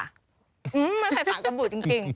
ไม่ใส่สารกันบุตรจริง